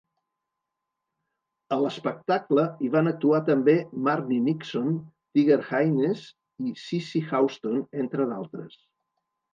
A l'espectacle hi van actuar també Marni Nixon, Tiger Haynes i Cissy Houston, entre d'altres.